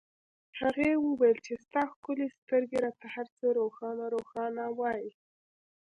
هغې وویل چې ستا ښکلې سترګې راته هرڅه روښانه روښانه وایي